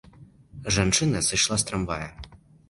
Жанчына сышла з трамвая.